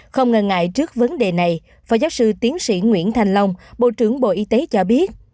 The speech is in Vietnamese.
không ngừng ngại trước vấn đề này phó giáo sư tiến sĩ nguyễn thành long bộ trưởng bộ y tế cho biết